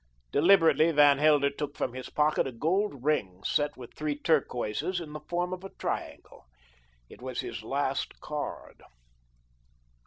Deliberately Van Helder took from his pocket a gold ring set with three turquoises in the form of a triangle. It was his last card.